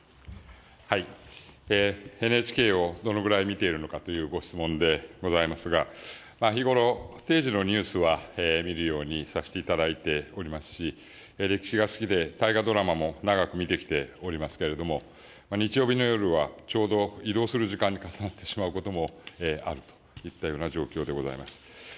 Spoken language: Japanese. ＮＨＫをどのぐらい見ているのかというご質問でございますが、日頃、定時のニュースは見るようにさせていただいておりますし、歴史が好きで、大河ドラマも長く見てきておりますけれども、日曜日の夜は、ちょうど移動する時間に重なってしまうこともあるといったような状況でございます。